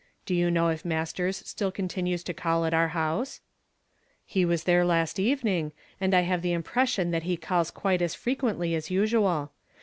" Do you know if jMasters still continues to call at our house ?" "He was there last evening, and I have the impression that he calls quite as frequently as usual.